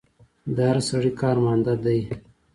د هر سړي کار ماندۀ دی